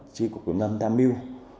tri cục kiểm lâm tam miu